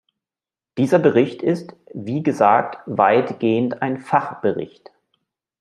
Dieser Bericht ist, wie gesagt, weitgehend ein Fachbericht.